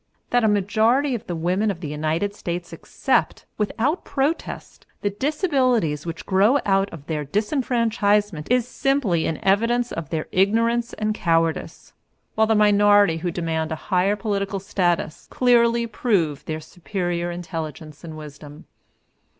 That a majority of the women of the United States accept, without protest, the disabilities which grow out of their disfranchisement is simply an evidence of their ignorance and cowardice, while the minority who demand a higher political status clearly prove their superior intelligence and wisdom.